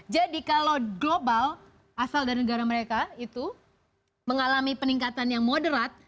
jadi kalau global asal dari negara mereka itu mengalami peningkatan yang moderat